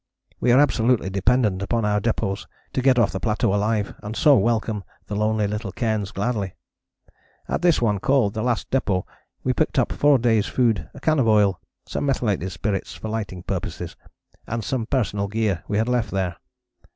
We are absolutely dependent upon our depôts to get off the plateau alive, and so welcome the lonely little cairns gladly. At this one, called the Last Depôt, we picked up four days' food, a can of oil, some methylated spirit (for lighting purposes) and some personal gear we had left there.